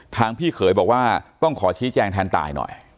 พี่เขยบอกว่าต้องขอชี้แจงแทนตายหน่อย